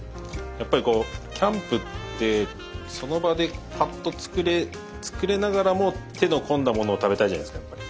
やっぱりこうキャンプってその場でパッと作れながらも手の込んだものを食べたいじゃないですかやっぱり。